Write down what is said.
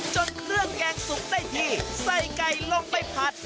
เลือกแกงสุกได้ที่ใส่ไก่ลงไปผัด